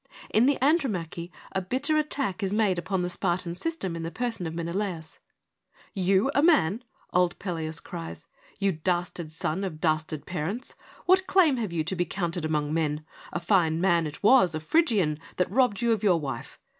In the Andromache a bitter attack is made upon the Spartan system in the person of Menelaus. ' You a man ?' old Peleus cries, ' You dastard son of dastard parents. What claim have you to be counted among men ? A fine man it was, a Phrygian, that robbed you of your wife.